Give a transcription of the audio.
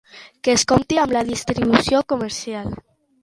Que compti amb distribució comercial.